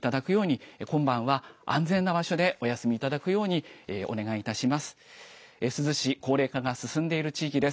くれぐれも明るい状況で避難を決断いただくように、今晩は安全な場所でお休みいただくように、お願いいたします。